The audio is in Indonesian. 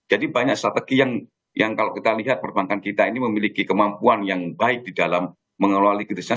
jadi banyak strategi yang kalau kita lihat perbankan kita ini memiliki kemampuan yang baik di dalam mengelola likuditasnya